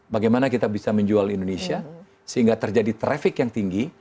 bagaimana kita bisa menjual indonesia sehingga terjadi traffic yang tinggi